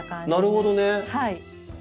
なるほどね。